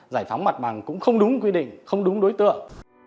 giải phóng mặt bằng cũng không đúng quy định không đúng đối tượng